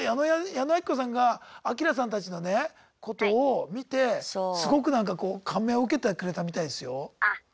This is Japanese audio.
矢野顕子さんがアキラさんたちのねことを見てすごくなんかこう感銘を受けてくれたみたいですよ。